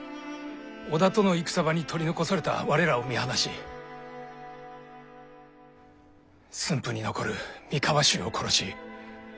織田との戦場に取り残された我らを見放し駿府に残る三河衆を殺し。